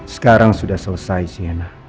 sekarang sudah selesai sienna